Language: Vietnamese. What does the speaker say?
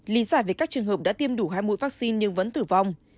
lý giải về các trường hợp đã tiêm đủ hai mũi vaccine nhưng vẫn tử vong